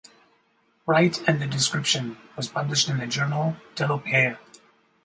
Wright and the description was published in the journal "Telopea".